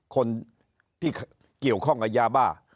คนที่เกี่ยวข้องกับยาบ้า